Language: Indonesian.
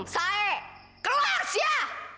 saya keluar sih ya